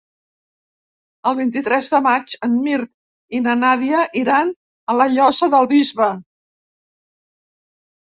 El vint-i-tres de maig en Mirt i na Nàdia iran a la Llosa del Bisbe.